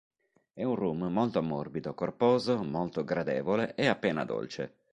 È un rum molto morbido, corposo, molto gradevole e appena dolce.